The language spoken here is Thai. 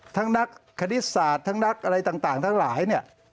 นักคณิตศาสตร์ทั้งนักอะไรต่างทั้งหลายเนี่ย